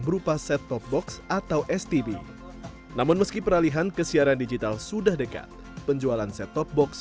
berupa set top box atau stb namun meski peralihan ke siaran digital sudah dekat penjualan set top box